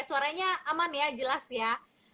suaranya aman ya jelas ya